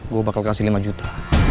gue bakal kasih lima juta